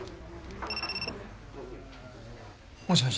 もしもし。